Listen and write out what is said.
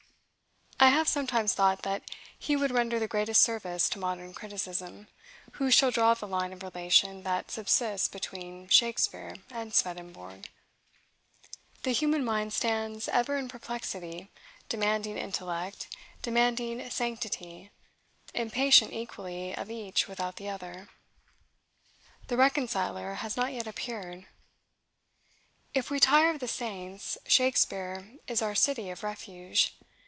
I have sometimes thought that he would render the greatest service to modern criticism, who shall draw the line of relation that subsists between Shakespeare and Swedenborg. The human mind stands ever in perplexity, demanding intellect, demanding sanctity, impatient equally of each without the other. The reconciler has not yet appeared. If we tire of the saints, Shakespeare is our city of refuge.